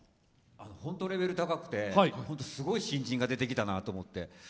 本当にレベルが高くてすごい新人が出てきたなって。